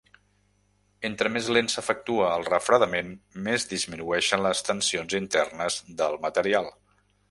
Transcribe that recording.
Entre més lent s'efectua el refredament, més disminueixen les tensions internes del material.